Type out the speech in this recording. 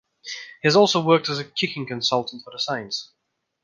He has also worked as a kicking consultant for the Saints.